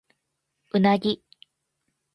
うなぎ